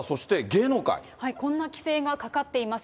こんな規制がかかっています。